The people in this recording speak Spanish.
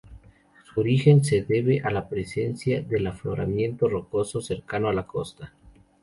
Su origen se debe a la presencia del afloramiento rocoso, cercano a la costa.